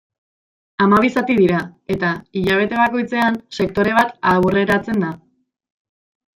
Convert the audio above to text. Hamabi zati dira, eta, hilabete bakoitzean, sektore bat aurreratzen da.